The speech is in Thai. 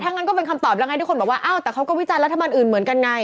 งั้นก็เป็นคำตอบแล้วไงทุกคนบอกว่าอ้าวแต่เขาก็วิจารณรัฐบาลอื่นเหมือนกันไง